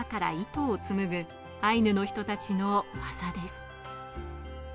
木の皮から糸を紡ぐアイヌの人たちの技です。